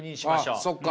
そっか。